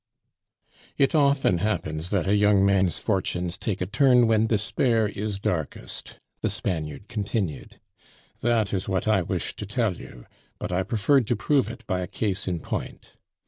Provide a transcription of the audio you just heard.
"It often happens that a young man's fortunes take a turn when despair is darkest," the Spaniard continued. "That is what I wished to tell you, but I preferred to prove it by a case in point.